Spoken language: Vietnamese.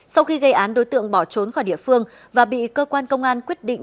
sau khi gây án đối tượng bỏ trốn khỏi địa phương và bị cơ quan công an quyết định